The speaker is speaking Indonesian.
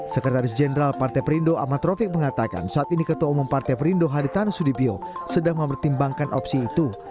sekretaris jenderal partai perindo ahmad rofik mengatakan saat ini ketua umum partai perindo haritanu sudibyo sedang mempertimbangkan opsi itu